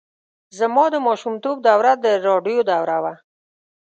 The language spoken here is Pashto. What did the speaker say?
زما د ماشومتوب دوره د راډیو دوره وه.